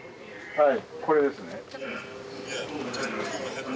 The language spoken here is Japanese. はい。